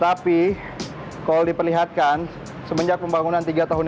oke apaan tempatnya ini